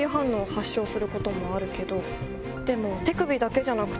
でも。